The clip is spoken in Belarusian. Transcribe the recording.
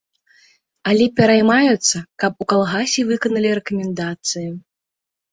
Але пераймаюцца, каб у калгасе выканалі рэкамендацыі.